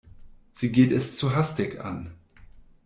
Sie geht es zu hastig an.